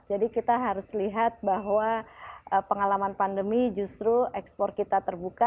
jadi kita harus lihat bahwa pengalaman pandemi justru ekspor kita terbuka